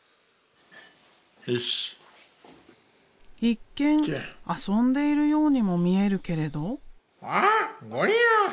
一見遊んでいるようにも見えるけれど。